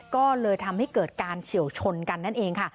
ก็เลยทำให้เกิดการเฉียวชนกันนั่นเองค่ะ